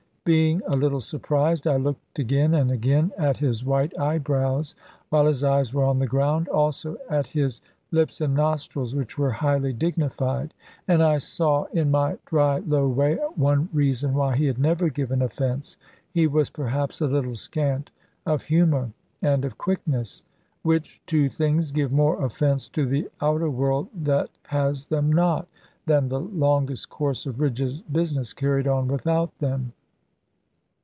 Being a little surprised, I looked again and again at his white eyebrows, while his eyes were on the ground; also at his lips and nostrils, which were highly dignified. And I saw, in my dry low way, one reason why he had never given offence. He was perhaps a little scant of humour and of quickness; which two things give more offence to the outer world that has them not, than the longest course of rigid business carried on without them.